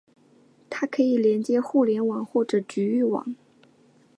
它可以连接互联网或者局域网。